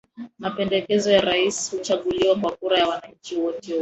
mapendekezo ya rais Rais huchaguliwa kwa kura ya wananchi wote kwa